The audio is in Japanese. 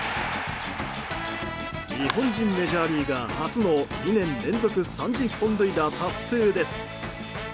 日本人メジャーリーガー初の２年連続３０本塁打達成です。